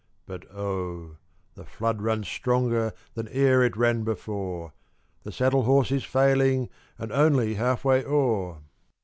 But, oh! the flood runs stronger Than e'er it ran before; The saddle horse is failing, And only half way o'er!